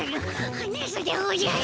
はなすでおじゃる！